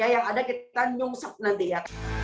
yang ada kita nyungsep nanti ya